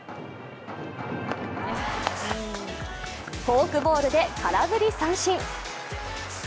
フォークボールで空振り三振。